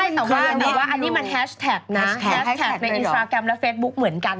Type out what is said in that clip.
แต่ว่าอันนี้มันแฮชแท็กนะแฮสแท็กในอินสตราแกรมและเฟซบุ๊กเหมือนกัน